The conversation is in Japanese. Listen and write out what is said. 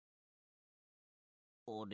あれ？